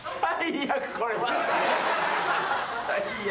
最悪。